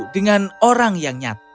dengan orang yang nyat